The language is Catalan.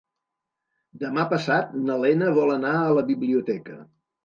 Demà passat na Lena vol anar a la biblioteca.